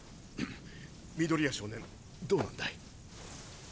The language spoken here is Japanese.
緑谷少年どうなんだい？